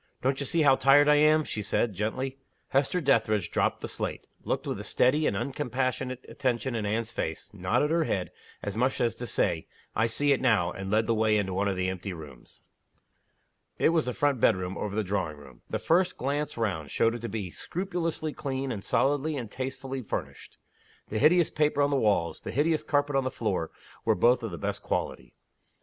"Don't you see how tired I am?" she said, gently. Hester Dethridge dropped the slate looked with a steady and uncompassionate attention in Anne's face nodded her head, as much as to say, "I see it now" and led the way into one of the empty rooms. It was the front bedroom, over the drawing room. The first glance round showed it to be scrupulously clean, and solidly and tastelessly furnished. The hideous paper on the walls, the hideous carpet on the floor, were both of the best quality.